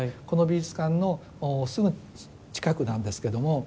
この美術館のすぐ近くなんですけども。